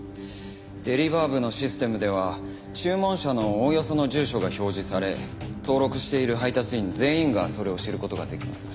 デリバー部のシステムでは注文者のおおよその住所が表示され登録している配達員全員がそれを知る事ができます。